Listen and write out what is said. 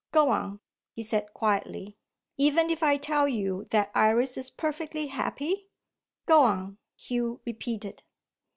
"Go on," he said quietly. "Even if I tell you that Iris is perfectly happy?" "Go on," Hugh repeated.